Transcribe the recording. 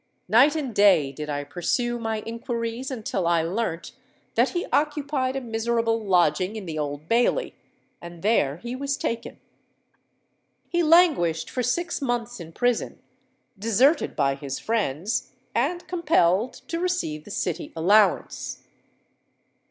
Night and day did I pursue my inquiries until I learnt that he occupied a miserable lodging in the Old Bailey: and there was he taken. He languished for six months in prison—deserted by his friends—and compelled to receive the City allowance.